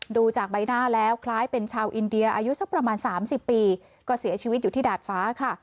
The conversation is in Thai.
ดูจากใบหน้าแล้วคล้ายเป็นชาวอินเดียอายุสักประมาณ๓๐ปีก็เสียชีวิตอยู่ที่ดาดฟ้าค่ะ